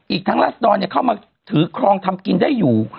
อีกทั้งรัศดรเข้ามาถือครองทำกินได้อยู่